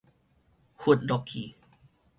拂落去